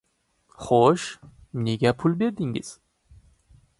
— Xo‘sh, nega pul berdingiz?